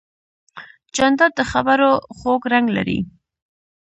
جانداد د خبرو خوږ رنګ لري.